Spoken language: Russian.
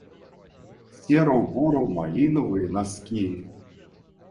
Серо-буро-малиновые носки